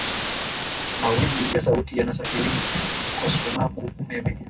mawimbi ya sauti yanasafiri kwa sumaku umeme